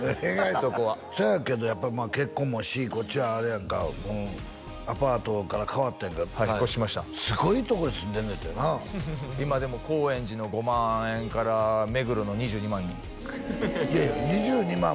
そこはそやけどやっぱりまあ結婚もしこっちはあれやんかもうアパートから変わったんやからはい引っ越しましたすごいとこに住んでるねんてな今でも高円寺の５万円から目黒の２２万にいやいや２２万